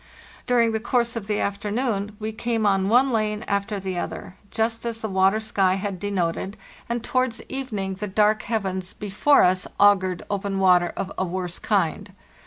During the course of the afternoon we came on one lane after the other, just as the water sky had denoted, and towards Il.—15 226 FARTHEST NORTH evening the dark heavens before us augured open water of a worse kind.